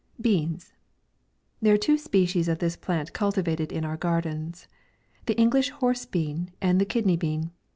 BEANS. There are two species of this plant culti vated in our gardens : the English horse bean, and the kidney bean.